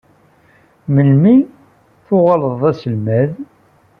Melmi tuɣaleḍ d aselmad?